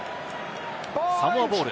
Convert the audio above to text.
サモアボール。